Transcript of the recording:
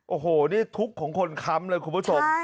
โอ้โหนี่ทุกข์ของคนค้ำเลยคุณผู้ชม